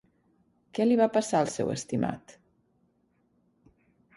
Què li va passar al seu estimat?